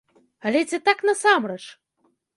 Але ці так насамрэч?